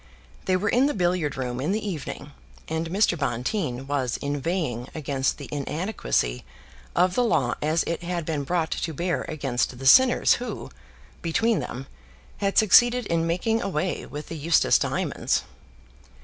They were in the billiard room in the evening, and Mr. Bonteen was inveighing against the inadequacy of the law as it had been brought to bear against the sinners who, between them, had succeeded in making away with the Eustace diamonds.